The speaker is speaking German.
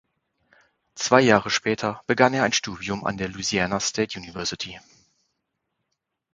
Zwei Jahre später begann er ein Studium an der Louisiana State University.